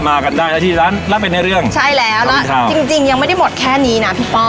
ร้านล่าเป็นในเรื่องใช่แล้วแล้วจริงจริงยังไม่ได้หมดแค่นี้น่ะพี่ป้อง